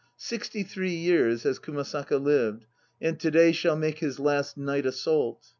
"Sixty three years has Kumasaka lived, and to day shall make his last night assault."